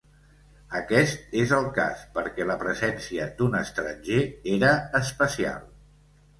Aquest és el cas, perquè la presència d'un estranger era especial.